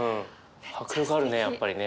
迫力あるねやっぱりね。